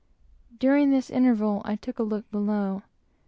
During this interval I took a look below.